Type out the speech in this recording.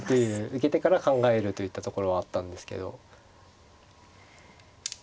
受けてから考えるといったところはあったんですけど。